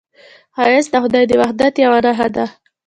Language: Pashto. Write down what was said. ښایست د خدای د وحدت یوه نښه ده